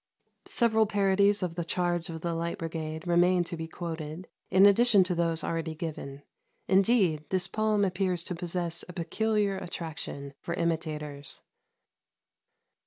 Several parodies of " The Charge of the Light Brigade " remain to be quoted, in addition to those already given ; indeed, this poem appears to possess a peculiar attraction for imitators.